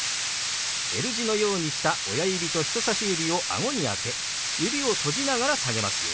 Ｌ字のようにした親指と人さし指をあごに当て指を閉じながら下げますよ。